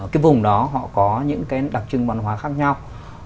cái vùng đó họ có những cái đặc trưng văn hóa khác nhau